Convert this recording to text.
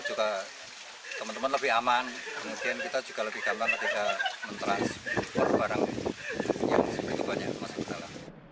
juga teman teman lebih aman mungkin kita juga lebih gampang ketika menteras barang barang